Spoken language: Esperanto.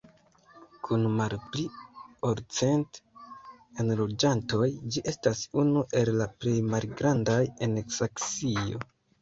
Kun malpli ol cent enloĝantoj ĝi estas unu el la plej malgrandaj en Saksio.